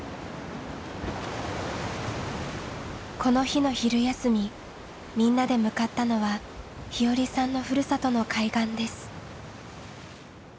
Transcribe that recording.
この日の昼休みみんなで向かったのは日和さんのふるさとの海岸です。